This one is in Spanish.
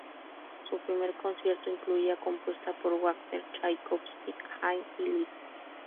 Su primer concierto incluía compuesta por Wagner, Chaikovski, Haydn y Liszt.